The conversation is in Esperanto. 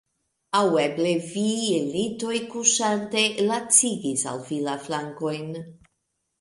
Aŭ eble vi, en litoj kuŝante, lacigis al vi la flankojn?